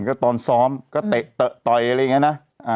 ก็ตอนซ้อมก็เตะต่อยอะไรอย่างนี้นะ